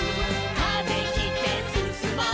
「風切ってすすもう」